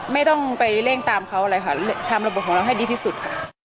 ไม่ต้องไปเร่งตามเขาเลยค่ะทำระบบของเราให้ดีที่สุดค่ะ